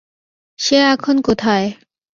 সে এখন কোথায়।